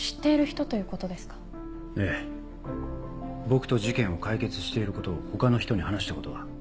僕と事件を解決していることを他の人に話したことは？